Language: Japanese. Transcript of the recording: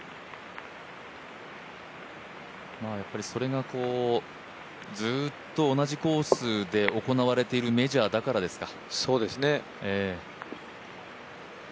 それがずっと同じコースで行われているメジャーだからですか？